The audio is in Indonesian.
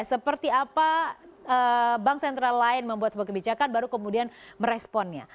seperti apa bank sentral lain membuat sebuah kebijakan baru kemudian meresponnya